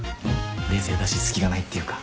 冷静だし隙がないっていうか。